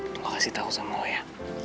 gue kasih tau semua ya